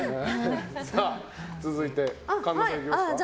続いて、神田さんいきますか。